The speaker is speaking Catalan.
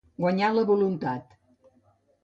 Guanyar la voluntat.